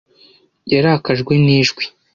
Yarakajwe nijwi.